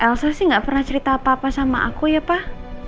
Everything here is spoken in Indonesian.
elsa sih gak pernah cerita apa apa sama aku ya pak